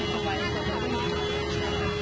มันก็เลี่ยวส่วน